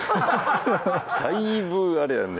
だいぶあれやんね。